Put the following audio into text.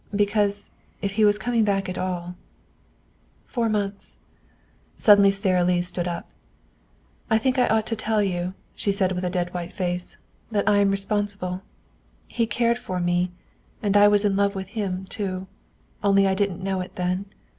"Because, if he was coming back at all " "Four months." Suddenly Sara Lee stood up. "I think I ought to tell you," she said with a dead white face, "that I am responsible. He cared for me; and I was in love with him too. Only I didn't know it then.